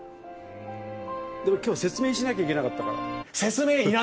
でも今日説明しなきゃいけなかったから。